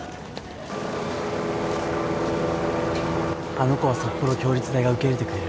あの子は札幌共立大が受け入れてくれる。